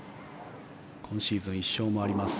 今シーズン１勝もあります。